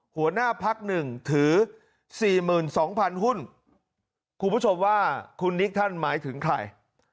หัวหน้าพักหนึ่งถือ๔๒๐๐หุ้นคุณผู้ชมว่าคุณนิกท่านหมายถึงใคร